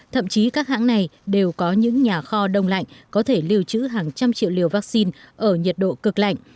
thậm chí các hãng này đều có những nhà kho đông lạnh có thể lưu trữ hàng trăm triệu liều vaccine ở nhiệt độ cực lạnh